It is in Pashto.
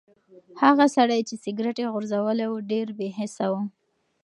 هغه سړی چې سګرټ یې غورځولی و ډېر بې حسه و.